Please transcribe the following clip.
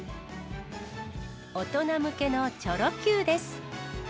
大人向けのチョロＱです。